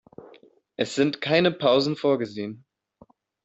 Es sind keine Pausen vorgesehen.